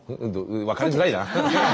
分かりづらいな。